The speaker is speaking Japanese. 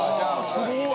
すごい！